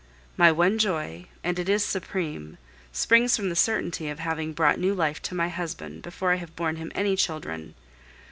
My one joy, and it is supreme, springs from the certainty of having brought new life to my husband before I have borne him any children.